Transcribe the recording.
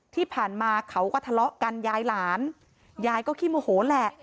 ที่ผ่านมาเขาก็ทะเลาะกันยายหลานยายก็ขี้โมโหแหละ